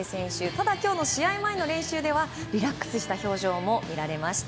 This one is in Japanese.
ただ、今日の試合前の練習ではリラックスした表情も見られました。